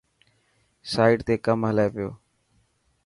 سائٽ تي ڪم هلي پيو.